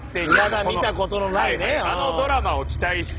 いまだ見た事のないね。